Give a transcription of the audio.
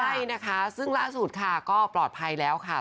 ใช่นะคะซึ่งล่าสุดค่ะก็ปลอดภัยแล้วค่ะ